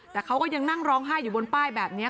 แต่เขาก็ยังนั่งร้องไห้อยู่บนป้ายแบบนี้